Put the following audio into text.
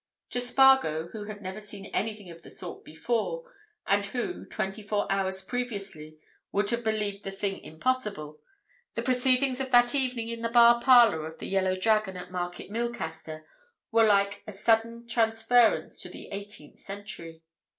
To Spargo, who had never seen anything of the sort before, and who, twenty four hours previously, would have believed the thing impossible, the proceedings of that evening in the bar parlour of the "Yellow Dragon" at Market Milcaster were like a sudden transference to the eighteenth century.